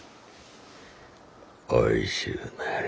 おいしゅうなれ。